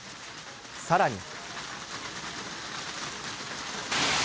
さらに。